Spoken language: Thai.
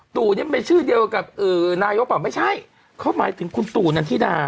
ตู่นี่เป็นชื่อเดียวกับนายกเปล่าไม่ใช่เขาหมายถึงคุณตู่นันทิดา